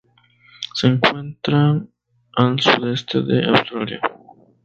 Se encuentran al sudeste de Australia.